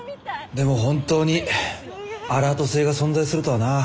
でも本当にアラート星が存在するとはなぁ。